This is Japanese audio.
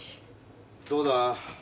どうだ？